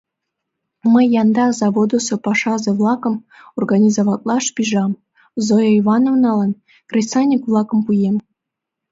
Мый янда заводысо пашазе-влакым организоватлаш пижам, Зоя Ивановналан кресаньык-влакым пуэм.